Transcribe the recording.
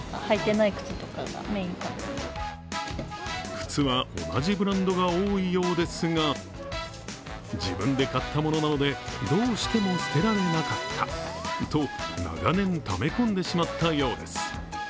靴は同じブランドが多いようですが、自分で買ったものなのでどうしても捨てられなかったと長年、ため込んでしまったようです